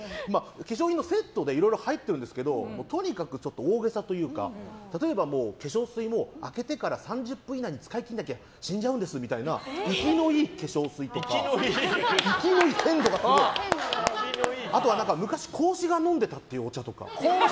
化粧品のセットでいろいろ入ってるんですけどとにかく大げさというか例えば、化粧水も開けてから３０分以内に使い切らなきゃ死んじゃうんですみたいな生きのいい化粧水とか。あとは昔孔子が飲んでたお茶とか。